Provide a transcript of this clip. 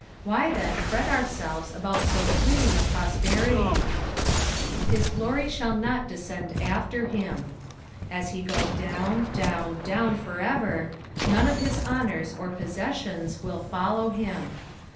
Why then fret our selves about so fleeting a prosperity ? "ifu gi*>Ty ahall not dacend after him." As he goes down, down, down for ever, none of his honours or possessions will follow him.